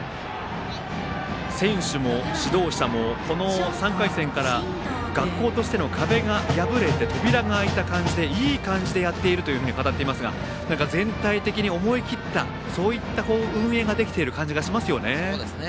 選手も指導者もこの３回戦から学校としての壁が破れて、扉が開いた感じでいい感じでやっていると語っていますが全体的に思い切ったそういった運営ができている感じがしますよね。